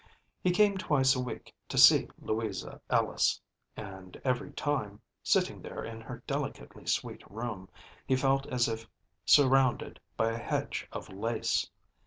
He came twice a week to see Louisa Ellis, and every time, sitting there in her delicately sweet room, he felt as if surrounded by a hedge of lace.